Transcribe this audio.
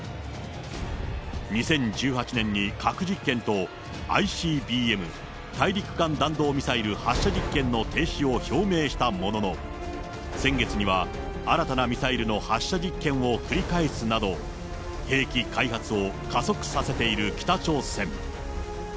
２０１８年に核実験と、ＩＣＢＭ・大陸間弾道ミサイル発射実験の停止を表明したものの、先月には、新たなミサイルの発射実験を繰り返すなど、兵器開発を加速させている北朝鮮。